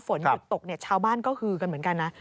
ฝนหยุดตกเนี่ยชาวบ้านก็ฮือกันเหมือนกันนะ